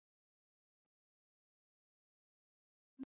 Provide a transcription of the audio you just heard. ازادي راډیو د بهرنۍ اړیکې د ستونزو حل لارې سپارښتنې کړي.